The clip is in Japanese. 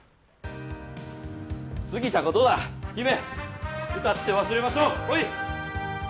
過ぎたことだ姫歌って忘れましょうほい